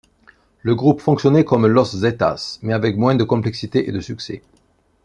Le groupe fonctionnait comme Los Zetas, mais avec moins de complexité et de succès.